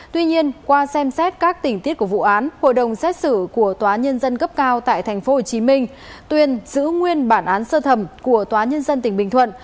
tuy nhiên qua xem xét các tình tiết của vụ án hội đồng xét xử của tòa nhân dân cấp cao tại tp hcm tuyên giữ nguyên bản án sơ thẩm của tòa nhân dân tỉnh bình thuận